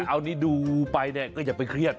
เอานี่ดูไปเนี่ยก็อย่าไปเครียด